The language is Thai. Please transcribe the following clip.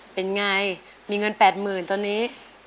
ไหนมีเงิน๘หมื่นตอนนี้